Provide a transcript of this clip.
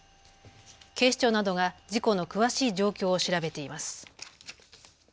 警視庁などが事故の詳しい状況を調べています。